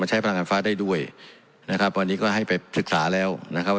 ใช้พลังงานฟ้าได้ด้วยนะครับวันนี้ก็ให้ไปศึกษาแล้วนะครับว่า